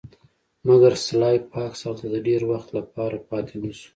مګر سلای فاکس هلته د ډیر وخت لپاره پاتې نشو